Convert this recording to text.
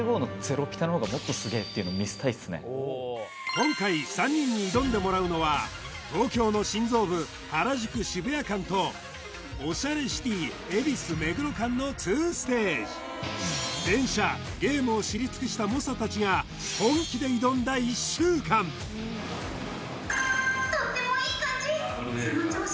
今回３人に挑んでもらうのは東京の心臓部原宿・渋谷間とオシャレシティー恵比寿・目黒間の２ステージたちが本気で挑んだ１週間とってもいい感じその調子